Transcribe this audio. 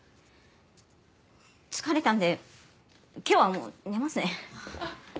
疲れたんで今日はもう寝ますね。